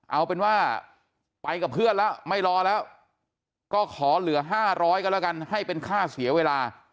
เอาเป็นว่าไปกับเพื่อนแล้วไม่รอแล้วก็ขอเหลือ๕๐๐ก็แล้วกันให้เป็นค่าเสียเวลา